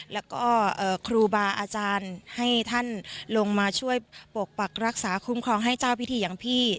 แล้วก็ครูบาอาจารย์ให้ท่านลงมาช่วยปกปักรักษาคุ้มครองให้เจ้าพิธีอย่างพี่